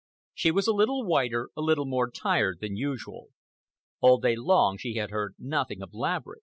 She was a little whiter, a little more tired than usual. All day long she had heard nothing of Laverick.